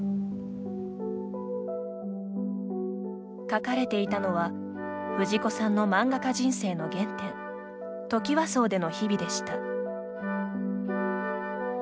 描かれていたのは藤子さんの漫画家人生の原点トキワ荘での日々でした。